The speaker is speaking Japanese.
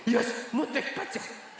もっとひっぱっちゃおう。